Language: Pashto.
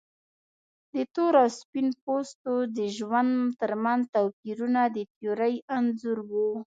د تور او سپین پوستو د ژوند ترمنځ توپیرونه د تیورۍ انځور و.